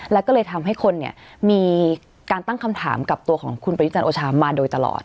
แล้วก็เลยทำให้คนเนี่ยมีการตั้งคำถามกับตัวของคุณประยุจันทร์โอชามาโดยตลอด